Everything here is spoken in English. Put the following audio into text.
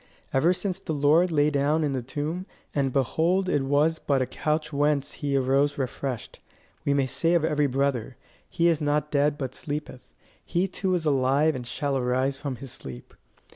Ever since the Lord lay down in the tomb, and behold it was but a couch whence he arose refreshed, we may say of every brother: He is not dead but sleepeth. He too is alive and shall arise from his sleep.